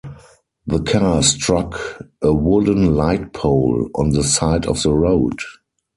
The car struck a wooden light pole on the side of the road.